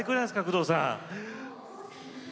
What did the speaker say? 工藤さん。